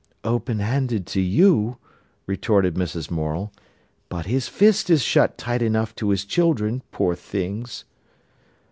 "Open handed to you," retorted Mrs. Morel. "But his fist is shut tight enough to his children, poor things."